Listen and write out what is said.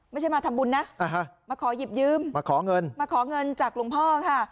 มาทำบุญนะมาขอหยิบยืมมาขอเงินมาขอเงินจากหลวงพ่อค่ะ